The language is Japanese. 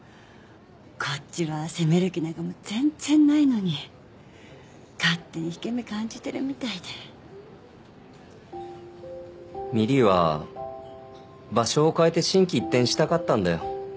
こっちは責める気なんかもう全然ないのに勝手に引け目感じてるみたいで美璃は場所を変えて心機一転したかったんだよ